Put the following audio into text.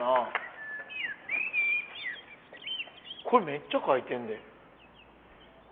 これめっちゃ書いてんで。